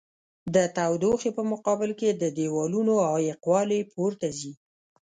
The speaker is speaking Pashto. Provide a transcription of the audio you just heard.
د تودوخې په مقابل کې د دېوالونو عایق والي پورته ځي.